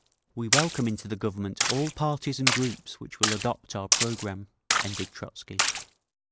"We welcome into the Government all parties and groups which will adopt our programme," ended Trotzky.